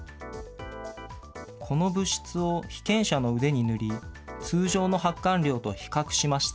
この物質を被験者の腕に塗り、通常の発汗量と比較しました。